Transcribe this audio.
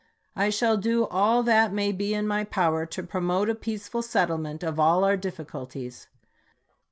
I shall do all that may be in my power to promote a peace ful settlement of all our difficulties.